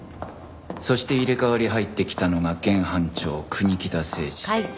そして入れ替わり入ってきたのが現班長国木田誠二